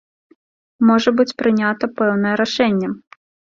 Можа быць прынята пэўнае рашэнне.